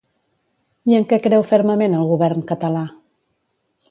I en què creu fermament el govern català?